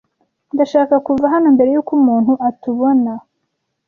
Ndashaka kuva hano mbere yuko umuntu atubona.